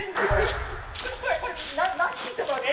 ちょっとこれなしにしてもらっていい？